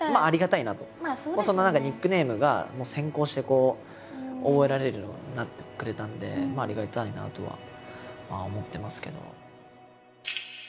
そのニックネームが先行して覚えられるようになってくれたんでありがたいなとは思ってますけど。